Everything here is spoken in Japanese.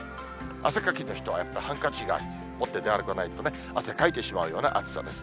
汗かきの人はやっぱりハンカチを持って出歩かないとね、汗かいてしまうような暑さです。